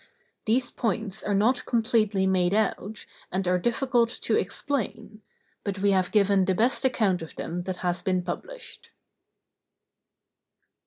These points are not completely made out, and are difficult to explain; but we have given the best account of them that has been published.